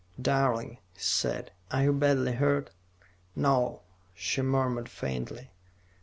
"Darling," he said, "are you badly hurt?" "No," she murmured faintly.